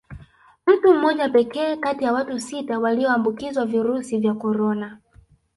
Mtu mmoja pekee kati ya watu sita walioambukizwa virusi vya Corona